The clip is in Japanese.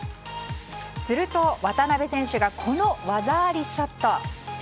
すると、渡辺選手がこの技ありショット。